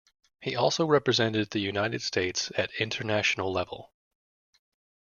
He also represented the United States at international level.